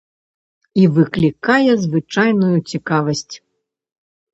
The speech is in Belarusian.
І выклікае звычайную цікавасць.